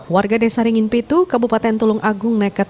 warga desa ringinpitu kabupaten tulung agung nekat